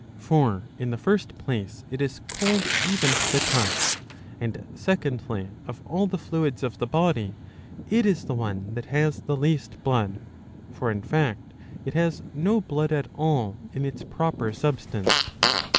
For in the first place it is cold even to the touch ; and, secondly, of all the fluids of the body it is the one that has the least blood ; for in fact it has no blood at all in its proper substance.